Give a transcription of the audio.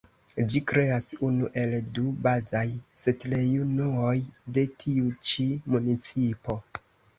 Ĝi kreas unu el du bazaj setlejunuoj de tiu ĉi municipo.